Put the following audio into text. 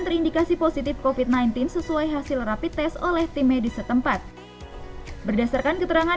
terindikasi positif kofit sembilan belas sesuai hasil rapid test oleh tim medis setempat berdasarkan keterangan